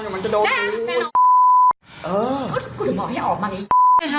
แหมก็จะบอกให้ออกมานะไอ้ครับ